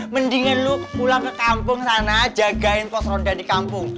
mendingin lu pulang ke kampung sana jagain pos ronda di kampung